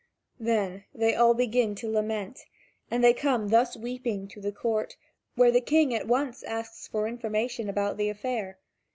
Then they all begin to lament, and they come thus weeping to the court, where the King at once asks for information about the affair.